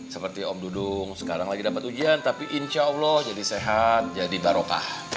seperti om dudung sekarang lagi dapat ujian tapi insya allah jadi sehat jadi barokah